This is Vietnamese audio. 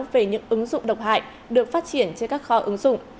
về những ứng dụng độc hại được phát triển trên các kho ứng dụng